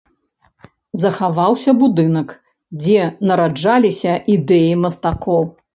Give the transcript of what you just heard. Захаваўся будынак, дзе нараджаліся ідэі мастакоў.